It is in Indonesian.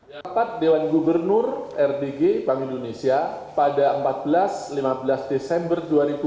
yang terdapat dewan gubernur rdg bank indonesia pada empat belas lima belas desember